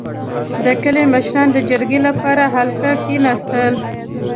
• د کلي مشران د جرګې لپاره حلقه کښېناستل.